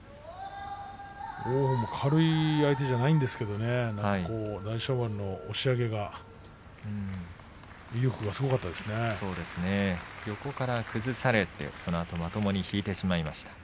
軽い相手ではないんですけどね、大翔丸の押し上げが横から崩されてそのあとまともに引いてしまいました。